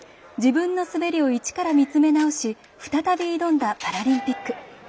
自分の滑りを、一から見つめ直し再び挑んだパラリンピック。